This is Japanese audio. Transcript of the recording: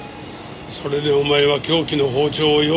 それでお前は凶器の包丁を用意した。